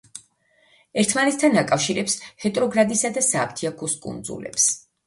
ერთმანეთთან აკავშირებს პეტროგრადისა და სააფთიაქოს კუნძულებს.